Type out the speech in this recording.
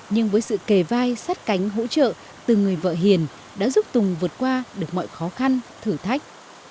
nhưng với sự kề vai sát cánh hỗ trợ từ người vợ hiền đã giúp tùng vượt qua được mọi khó khăn thử thách